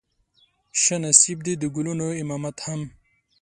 شه نصيب دې د ګلونو امامت هم